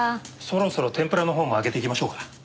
そろそろ天ぷらのほうも揚げていきましょうか。